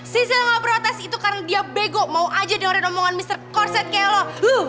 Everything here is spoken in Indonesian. sisil gak protes itu karena dia bego mau aja dengerin omongan mr korset kayak lo